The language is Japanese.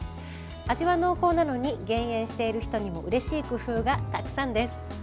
味は濃厚なのに減塩している人にもうれしい工夫がたくさんです。